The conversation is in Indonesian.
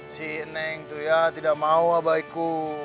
si neng tuh ya tidak mau abaiku